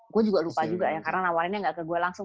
gue juga lupa juga ya karena nawarinnya gak ke gue langsung